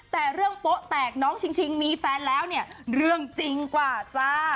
แต่เรื่องโป๊ะแตกน้องชิงมีแฟนแล้วเนี่ยเรื่องจริงกว่าจ้า